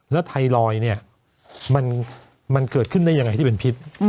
แล้วไทรอยด์เนี่ยมันเกิดขึ้นได้ยังไงที่เป็นพิษ